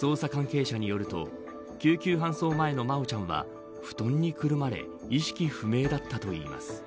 捜査関係者によると救急搬送前の真愛ちゃんは布団にくるまれ意識不明だったといいます。